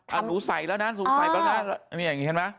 อ้าวหนูใส่แล้วนะหนูใส่ก่อนหน้าอย่างนี้เห็นมั้ย